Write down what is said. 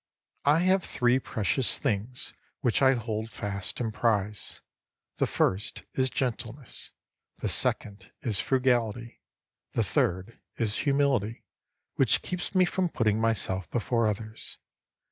I have three precious things, which I hold fast and prize. The first is gentleness ; the second is frugality ; the third is humility, which keeps me from putting myself before others.